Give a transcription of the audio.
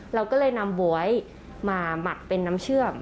เราก็เลยนำบ๊วยมาหมักเป็นน้ำเชื่อม